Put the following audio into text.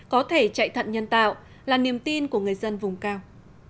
có thể chạy thận nhân tạo là niềm tin của người dân vùng cao